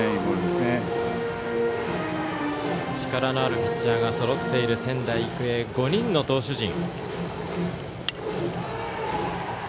力のあるピッチャーがそろっている仙台育英５人の投手陣。